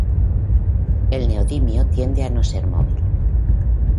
El neodimio tiende a no ser móvil.